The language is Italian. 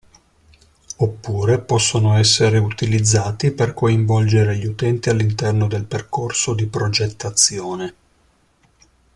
Oppure possono essere utilizzati per coinvolgere gli utenti all'interno del percorso di progettazione.